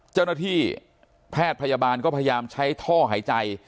เจ้าหน้าที่แพทย์พยาบาลก็พยายามใช้ท่อหายใจ